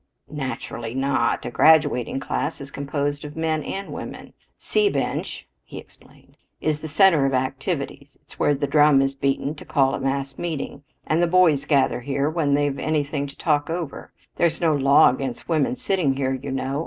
"Naturally not. A graduating class is composed of men and women. C bench," he explained, "is the center of activities. It's where the drum is beaten to call a mass meeting, and the boys gather here when they've anything to talk over. There's no law against women sitting here, you know.